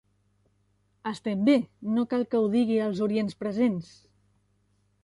Estem bé, no cal que ho digui als orients presents.